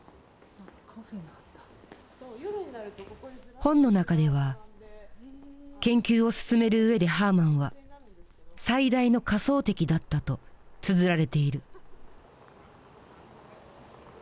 本の中では研究を進める上でハーマンは最大の仮想敵だったとつづられている。